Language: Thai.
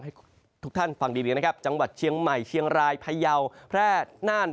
ให้ทุกท่านฟังดีนะครับจังหวัดเชียงใหม่เชียงรายพยาวแพร่น่าน